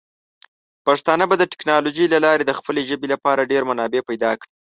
پښتانه به د ټیکنالوجۍ له لارې د خپلې ژبې لپاره ډیر منابع پیدا کړي.